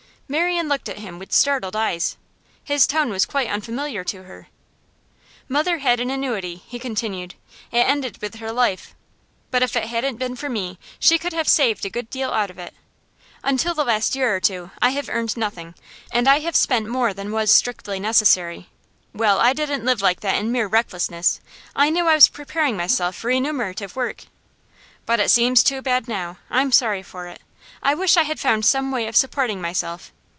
Marian looked at him with startled eyes. His tone was quite unfamiliar to her. 'Mother had an annuity,' he continued. 'It ended with her life, but if it hadn't been for me she could have saved a good deal out of it. Until the last year or two I have earned nothing, and I have spent more than was strictly necessary. Well, I didn't live like that in mere recklessness; I knew I was preparing myself for remunerative work. But it seems too bad now. I'm sorry for it. I wish I had found some way of supporting myself.